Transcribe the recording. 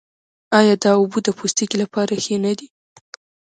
آیا دا اوبه د پوستکي لپاره ښې نه دي؟